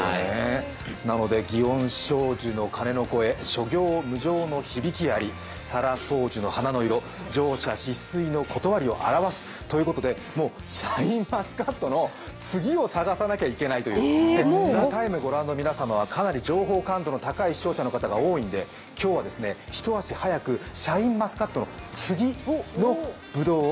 なので祇園精舎の鐘の声、沙羅双樹の花の色、盛者必衰の理をあらわすということで、もうシャインマスカットの次を探さなきゃいけないという、「ＴＨＥＴＩＭＥ，」をご覧の皆様はかなり情報感度の高い方が多いので今日は一足早くシャインマスカットの次のぶどうを